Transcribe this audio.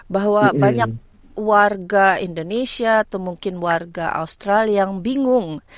bahwa banyak warga indonesia atau mungkin warga australia yang bingung